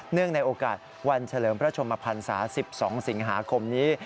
ในโอกาสวันเฉลิมพระชมพันศา๑๒สิงหาคมนี้